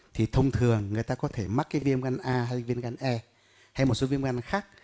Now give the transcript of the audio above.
thì thông thường người ta có thể mắc cái viêm gan a hay viêm gan e hay một số viêm gan khác